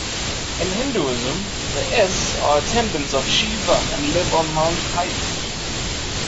In Hinduism, the s are attendants of Shiva and live on Mount Kailash.